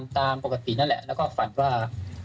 ตามปกตินั่นแหละแล้วก็ฝันว่า